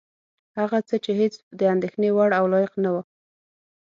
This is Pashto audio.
هغه څه چې هېڅ د اندېښنې وړ او لایق نه وه.